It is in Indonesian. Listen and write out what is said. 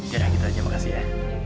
ya udah gitu aja makasih ya